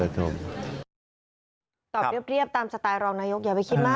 ตอบเรียบตามสไตล์รองนายกอย่าไปคิดมาก